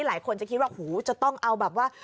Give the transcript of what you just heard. หลายคนจะคิดว่าหูจะต้องเอาแบบว่า